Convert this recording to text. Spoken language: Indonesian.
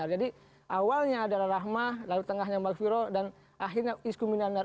jadi awalnya adalah rahmah lalu tengahnya maghfirah dan akhirnya iskuminanar